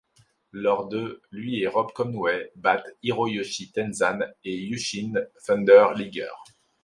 Lors de ', lui et Rob Conway battent Hiroyoshi Tenzan et Jushin Thunder Liger.